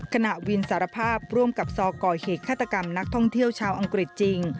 ขณะวินสารภาพร่วมกับซอก่อเหตุฆาตกรรมนักท่องเที่ยวชาวอังกฤษจริง